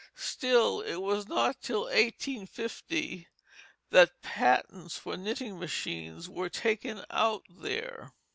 Still it was not till 1850 that patents for knitting machines were taken out there.